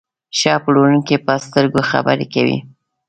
ښه پلورونکی په سترګو خبرې کوي.